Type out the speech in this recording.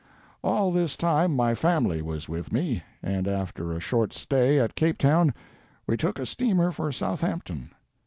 All this time my family was with me, and after a short stay at Cape Town we took a steamer for Southampton.